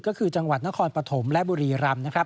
ก็คือจังหวัดนครปฐมและบุรีรำ